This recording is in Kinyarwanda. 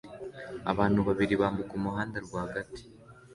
Abantu babiri bambuka umuhanda rwagati